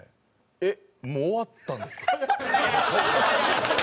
えっもう終わったんですけど。